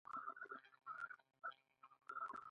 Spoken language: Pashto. له معاش سره د انتظار حالت او کارکوونکي تشریح کړئ.